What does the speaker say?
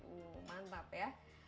uh mantap ya